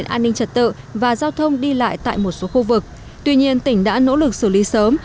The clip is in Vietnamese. an ninh trật tự và giao thông đi lại tại một số khu vực tuy nhiên tỉnh đã nỗ lực xử lý sớm